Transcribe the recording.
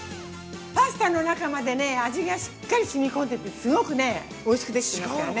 パスタの中までね、味がしっかりしみ込んでてすごくね、おいしくできてますからね。